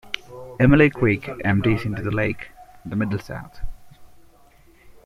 Emily Creek empties into the lake at the middle south.